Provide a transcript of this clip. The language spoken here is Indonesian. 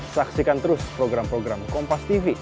saksikan terus program program kompas tv